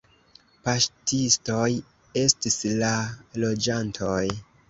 Paŝtistoj estis la loĝantoj.